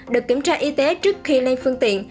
được kiểm tra y tế trước khi lên phương tiện